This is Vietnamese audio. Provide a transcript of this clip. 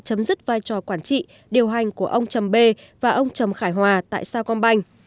chấm dứt vai trò quản trị điều hành của ông trầm bê và ông trầm khải hòa tại sao công banh